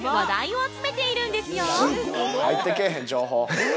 ◆入ってけえへん、情報。